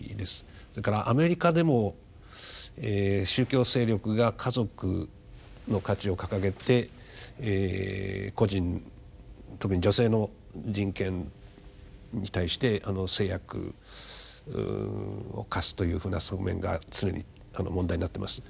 それからアメリカでも宗教勢力が家族の価値を掲げて個人特に女性の人権に対して制約を課すというふうな側面が常に問題になってます。